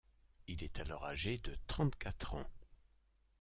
Il est alors âgé de trente-quatre ans.